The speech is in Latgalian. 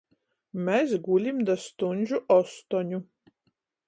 Mes gulim da stuņžu ostoņu!